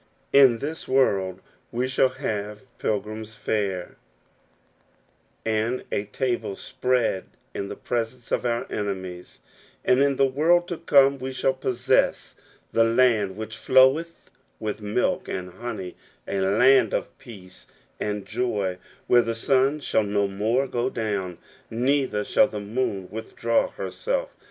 In this world we shall have pilgrim's fare, and a table spread in the presence of our enemies ; and in the world to come we shall possess the land which floweth with milk and honey, a land of peace and joy, where the sun shall no more go down, neither shall the moon withdraw herself.